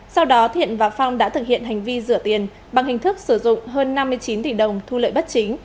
sau đó thiện và phong đã thực hiện hành vi rửa tiền bằng hình thức sử dụng hơn năm mươi chín tỷ đồng thu lợi bất chính